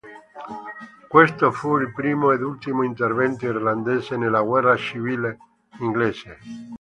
Questo fu il primo ed ultimo intervento irlandese nella guerra civile inglese.